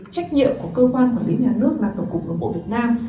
trách nhiệm của cơ quan quản lý nhà nước và tổng cục đồng bộ việt nam